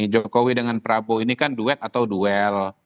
jokowi dengan prabowo ini kan duet atau duel